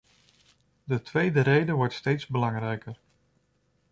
De tweede reden wordt steeds belangrijker.